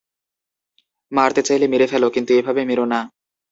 মারতে চাইলে মেরে ফেলো, কিন্তু এভাবে মেরো না।